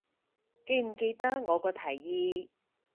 記唔記得我個提議